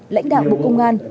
lãnh đảng bộ công an